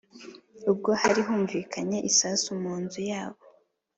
ubwo hari humvikanye isasu munzu yabo